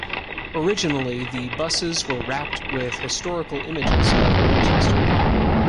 Originally, the buses were wrapped with historical images of Manchester.